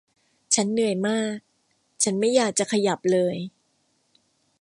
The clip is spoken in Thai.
ฉันเหนื่อยมากฉันไม่อยากจะขยับเลย